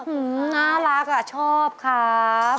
อื้อน่ารักอะชอบครับ